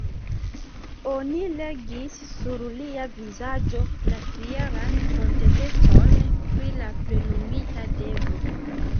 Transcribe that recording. Oni legis sur lia vizaĝo la fieran kontentecon pri la plenumita devo.